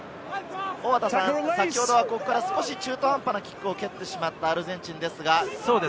先ほどは、ここから少し中途半端なキックを蹴ってしまったアルゼンチンですが。